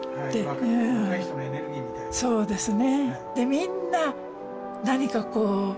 そうですね。